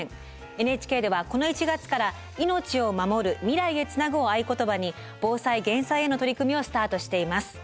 ＮＨＫではこの１月から「命をまもる未来へつなぐ」を合言葉に防災・減災への取り組みをスタートしています。